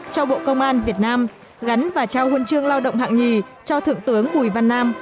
cho bộ công an việt nam gắn và trao huân chương lao động hạng nhì cho thượng tướng bùi văn nam